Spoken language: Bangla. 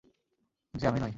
যে আমি নই?